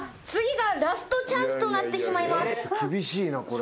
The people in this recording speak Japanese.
厳しいなこれ。